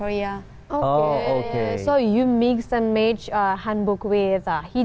jadi anda menggabungkan dan mencampurkan pakaian dengan hijab